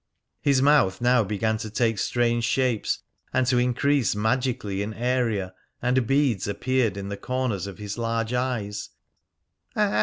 His mouth now began to take strange shapes and to increase magically in area, and beads appeared in the corners of his large eyes.